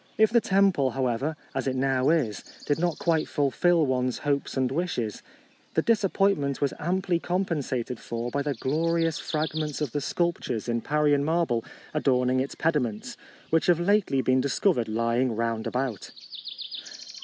If the temple, however, as it now is, did not quite fulfil one's hopes and wishes, the disappointment was amply compensated for by the glori ous fragments of the sculptures in Parian marble adorning its pedi ments, which have lately been dis covered lying round about.